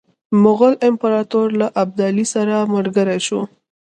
مغول امپراطور له ابدالي سره ملګری شو.